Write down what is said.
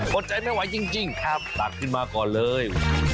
โปรดใจไม่ไหวจริงครับตัดขึ้นมาก่อนเลย